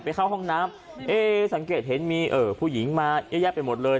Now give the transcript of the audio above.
ไปเข้าห้องน้ำสังเกตเห็นมีผู้หญิงมาแย่ไปหมดเลย